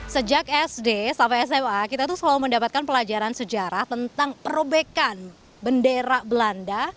sejak sd sampai sma kita tuh selalu mendapatkan pelajaran sejarah tentang perobekan bendera belanda